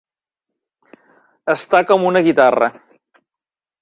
Estar com una guitarra.